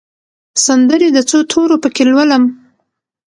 سندرې د څو تورو پکښې لولم